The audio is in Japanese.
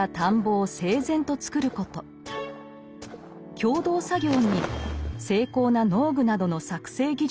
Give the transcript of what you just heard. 共同作業に精巧な農具などの作製技術。